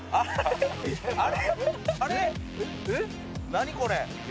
何これ？